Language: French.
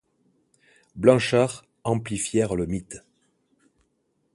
Blanchard, amplifièrent le mythe.